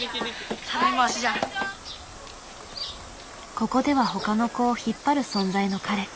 ここでは他の子を引っ張る存在の彼。